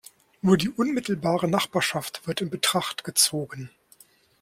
Nur die unmittelbare Nachbarschaft wird in Betracht gezogen.